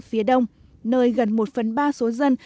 phía đông nơi gần một phần ba số dân